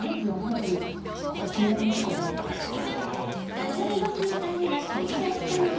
そこで吉野さんが取り出したのが。